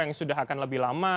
yang sudah akan lebih lama